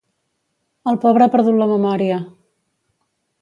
El pobre ha perdut la memòria!